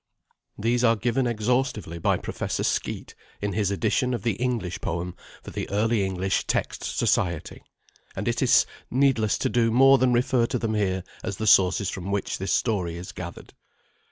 These are given exhaustively by Professor Skeat in his edition of the English poem for the Early English Text Society, and it is needless to do more than refer to them here as the sources from which this story is gathered.